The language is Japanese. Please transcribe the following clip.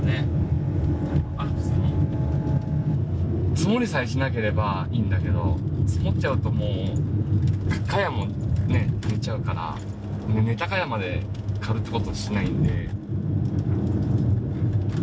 積もりさえしなければいいんだけど積もっちゃうともうカヤもね寝ちゃうから寝たカヤまで刈るって事をしないんで。